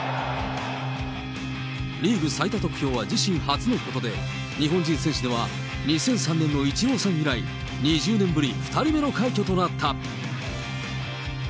リーグ最多得票は自身初のことで、日本人選手では２００３年のイチローさん以来、２０年ぶり２人目の快挙となった。